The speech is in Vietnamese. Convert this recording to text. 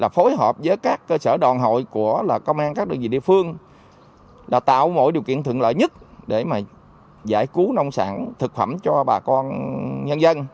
phối hợp với các cơ sở đoàn hội của công an các địa phương là tạo mỗi điều kiện thượng lợi nhất để giải cứu nông sản thực phẩm cho bà con nhân dân